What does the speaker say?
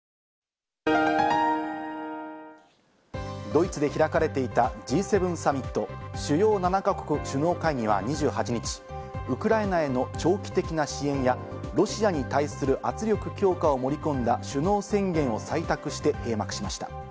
ドイツで開かれていたＧ７サミット＝主要７か国首脳会議は２８日、ウクライナへの長期的な支援やロシアに対する圧力強化を盛り込んだ首脳宣言を採択して閉幕しました。